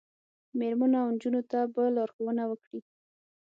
میرمنو او نجونو ته به لارښوونه وکړي